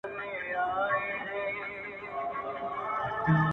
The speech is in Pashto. زما د زړه ډېوه روښانه سي،